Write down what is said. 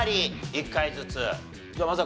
１回ずつ。